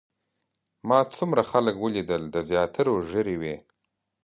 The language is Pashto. ما څومره خلک ولیدل د زیاترو ږیرې وې.